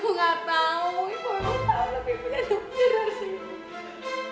ibu mau taruh ibu dan uji dari sini